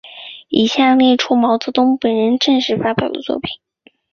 以下列出毛泽东本人正式发表作品。